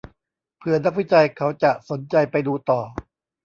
เผื่อนักวิจัยเขาจะสนใจไปดูต่อ